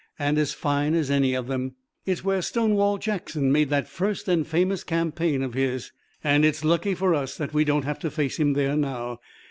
"And as fine as any of them." "It's where Stonewall Jackson made that first and famous campaign of his." "And it's lucky for us that we don't have to face him there now.